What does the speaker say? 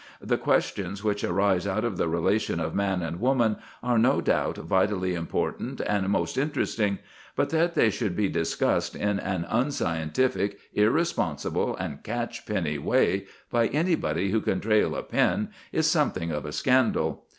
The questions which arise out of the relation of man and woman are no doubt vitally important and most interesting; but that they should be discussed in an unscientific, irresponsible, and catch penny way by everybody who can trail a pen is something of a scandal.